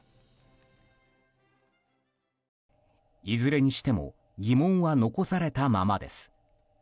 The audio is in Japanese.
いずれにしても疑問は残されたままです。